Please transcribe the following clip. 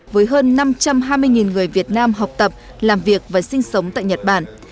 với hơn năm trăm hai mươi người việt nam học tập làm việc và sinh sống tại nhật bản